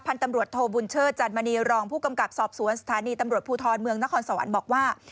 ตำรวจโทบุญเชิดจันมณีรองผู้กำกับสอบสวนสถานีตำรวจภูทรเมืองนครสวรรค์บอกว่า